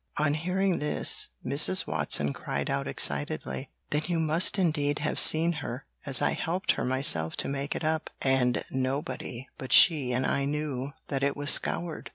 On hearing this, Mrs. Watson cried out excitedly, 'Then you must indeed have seen her, as I helped her myself to make it up, and nobody but she and I knew that it was scoured.'